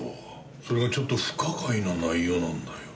それがちょっと不可解な内容なんだよ。